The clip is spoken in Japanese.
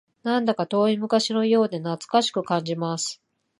なんだか遠い昔のようで懐かしく感じます